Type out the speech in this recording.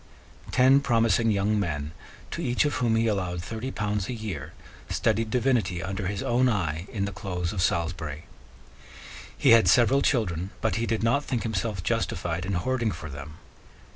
Ten promising young men, to each of whom he allowed thirty pounds a year, studied divinity under his own eye in the close of Salisbury. He had several children but he did not think himself justified in hoarding for them.